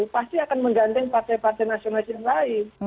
pasti akan menggandeng partai partai nasionalis yang lain